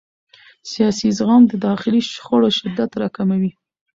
سیاسي زغم د داخلي شخړو شدت راکموي